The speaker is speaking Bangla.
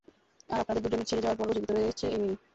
আর আপনাদের দুজনের ছেঁড়ে যাওয়ার পরও জীবিত রয়েছে এই মিমি।